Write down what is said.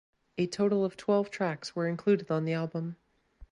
A total of twelve tracks were included on the album.